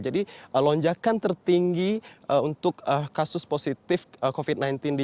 jadi lonjakan tertinggi untuk kasus positif covid sembilan belas di jakarta ini